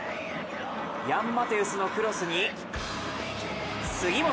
ヤン・マテウスのクロスに、杉本。